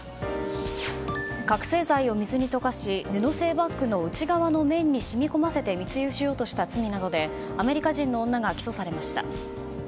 覚醒剤を水に溶かし布製バッグの内側の面に染み込ませて密輸しようとした罪でアメリカ人の女が起訴されました。